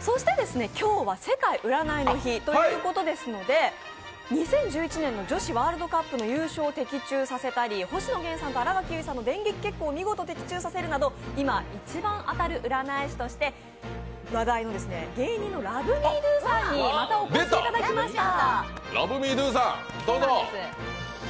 そして今日は世界占いの日ということですので２０１１年の女子ワールドカップの女子を的中させたり星野源さんと新垣結衣さんの電撃結婚を見事的中させるなど今一番当たる占い師として話題の芸人のＬｏｖｅＭｅＤｏさんにまたお越しいただきました。